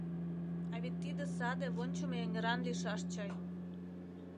А вет тиде саде вончымо эҥеран лийшаш чай.